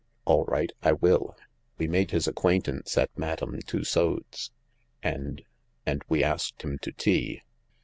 "All right. I will. We made his acquaintance at Madame Tussaud's and— and we asked him to tea.